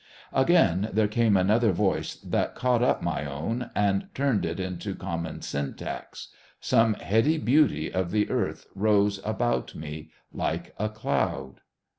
Again there came another voice that caught up my own and turned it into common syntax. Some heady beauty of the Earth rose about me like a cloud.